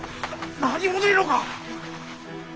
何もねえのか。